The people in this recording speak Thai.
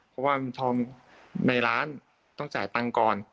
เพราะว่าทองในร้านต้องจ่ายตังค์ก่อน